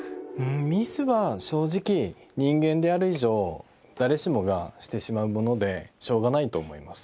ミスは正直人間である以上誰しもがしてしまうものでしょうがないと思います